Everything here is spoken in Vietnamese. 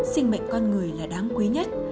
sinh mệnh con người là đáng quý nhất